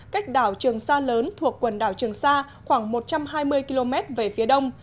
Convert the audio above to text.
cách đảo trường sa lớn thuộc quần đảo trường sa khoảng một trăm hai mươi km về phía đông